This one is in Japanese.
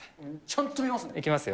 ちゃんと見ます。